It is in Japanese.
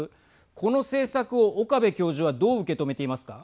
この政策を岡部教授はどう受け止めていますか。